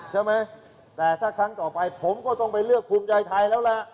ใช่ไหมแต่ถ้าครั้งต่อไปผมก็ต้องไปเลือกภูมิใจไทยแล้วล่ะ